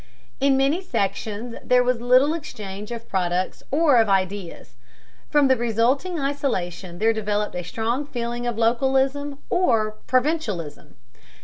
In many sections there was little exchange of products or of ideas. From the resulting isolation there developed a strong feeling of localism or provincialism.